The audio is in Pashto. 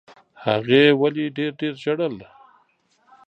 هغې ولي ډېر ډېر ژړل؟